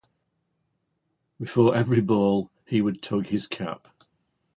Before every ball he would tug his cap.